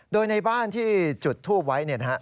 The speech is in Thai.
โดยในบ้านที่จุดทูปไว้เนี่ยนะครับ